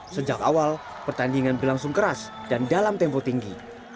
sejak awal pertandingan berlangsung keras dan dalam tempo tinggi